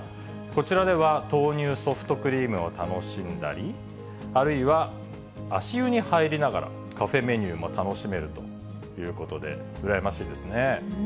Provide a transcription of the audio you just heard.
こちらでは豆乳ソフトクリームを楽しんだり、あるいは足湯に入りながら、カフェメニューも楽しめるということで、羨ましいですね。